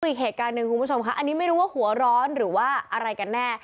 อีกเหตุการณ์หนึ่งคุณผู้ชมค่ะอันนี้ไม่รู้ว่าหัวร้อนหรือว่าอะไรกันแน่